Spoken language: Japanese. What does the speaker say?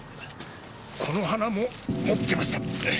この花も持ってました。